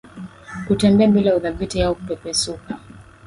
Kutembea bila uthabiti au kupepesuka